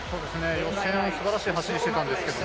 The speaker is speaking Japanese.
予選をすばらしい走りしてたんですけど。